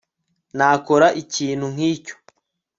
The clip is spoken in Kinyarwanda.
nakora ikintu nkicyo